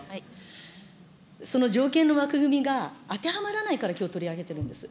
その条件の枠組みが当てはまらないからきょう、取り上げてるんです。